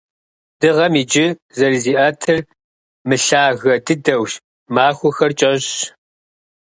Дыгъэм иджы зэрызиӏэтыр мылъагэ дыдэущ, махуэхэр кӏэщӏщ.